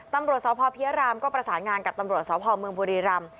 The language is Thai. ตำรวจสพเพียรามก็ประสานงานกับตำรวจสพเมืองบุรีรำ